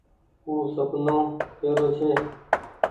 او سپنو ڪي رو ڇي۔